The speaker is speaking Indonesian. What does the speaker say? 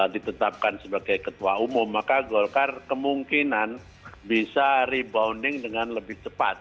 ditetapkan sebagai ketua umum maka golkar kemungkinan bisa rebounding dengan lebih cepat